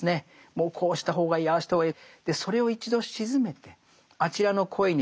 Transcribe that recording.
もうこうした方がいいああした方がいい。